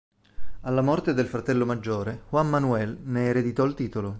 Alla morte del fratello maggiore, Juan Manuel né ereditò il titolo.